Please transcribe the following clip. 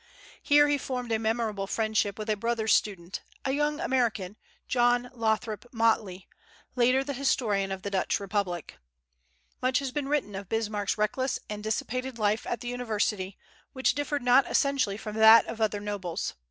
Here he formed a memorable friendship with a brother student, a young American, John Lothrop Motley, later the historian of the Dutch Republic. Much has been written of Bismarck's reckless and dissipated life at the university, which differed not essentially from that of other nobles.